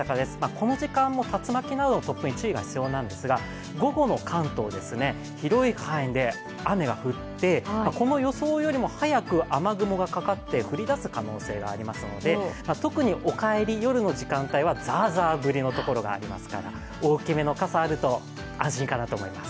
この時間も竜巻などの突風に注意が必要なんですが午後の関東、広い範囲で雨が降ってこの予想よりも早く雨雲がかかって、降りだす可能性がありますので、特にお帰り、夜の時間帯はザーザー降りのところがありますから、大きめの傘があると安心かなと思います。